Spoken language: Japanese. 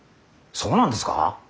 そうなんですか。